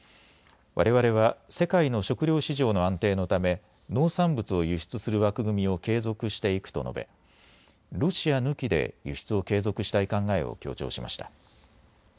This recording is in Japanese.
われわれは世界の食料市場の安定のため農産物を輸出する枠組みを継続していくと述べロシア抜きで輸出を継続したい考えを強調しました。